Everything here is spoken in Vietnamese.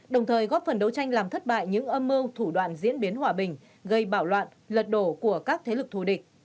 đồng thời góp phần đấu tranh làm thất bại những âm mưu thủ đoạn diễn biến hòa bình gây bạo loạn lật đổ của các thế lực thù địch